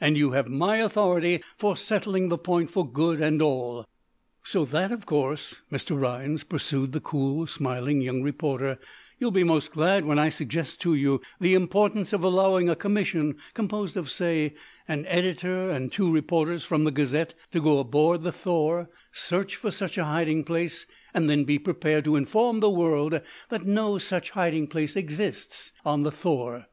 "And you have my authority for settling the point for good and all." "So that, of course, Mr. Rhinds," pursued the cool, smiling young reporter, "you will be most glad when I suggest to you the importance of allowing a commission composed of, say, an editor and two reporters from the 'Gazette' to go aboard the 'Thor,' search for such a hiding place, and then be prepared to inform the world that no such hiding place exists on the 'Thor.'"